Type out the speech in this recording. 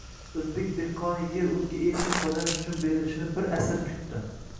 — o‘zbek dehqoni yer unga erkin foydalanish uchun berilishini bir asr kutdi.